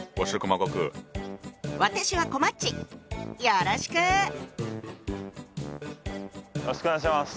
よろしくお願いします。